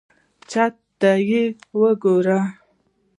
چاته یې ورکړم.